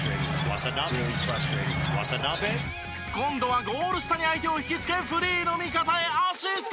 今度はゴール下に相手を引きつけフリーの味方へアシスト！